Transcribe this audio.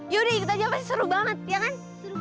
yaudah ikut aja pasti seru banget ya kan